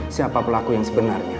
siapa pelaku yang sebenar